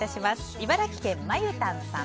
茨城県の方。